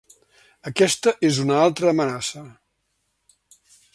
Aquesta és una altra amenaça.